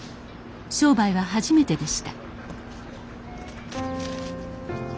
商売は初めてでした